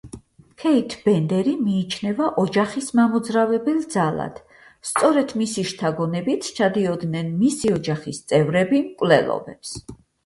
ქეით ბენდერი მიიჩნევა ოჯახის მამოძრავებელ ძალად, სწორედ მისი შთაგონებით სჩადიოდნენ მისი ოჯახის წევრები მკვლელობებს.